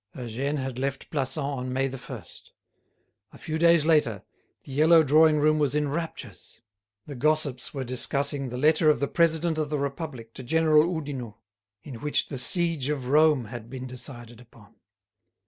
Eugène had left Plassans on May 1. A few days later, the yellow drawing room was in raptures. The gossips were discussing the letter of the President of the Republic to General Oudinot, in which the siege of Rome had been decided upon.